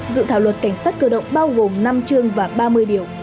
dự thảo luật cảnh sát cơ động bao gồm năm chương và ba mươi điều